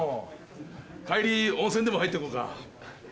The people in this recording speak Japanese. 帰り温泉でも入ってこうか。